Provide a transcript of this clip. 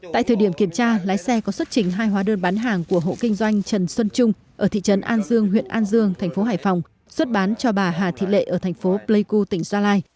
tại thời điểm kiểm tra lái xe có xuất trình hai hóa đơn bán hàng của hộ kinh doanh trần xuân trung ở thị trấn an dương huyện an dương thành phố hải phòng xuất bán cho bà hà thị lệ ở thành phố pleiku tỉnh gia lai